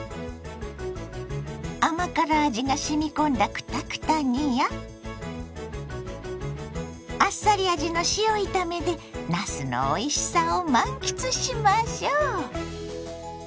甘辛味がしみ込んだクタクタ煮やあっさり味の塩炒めでなすのおいしさを満喫しましょ。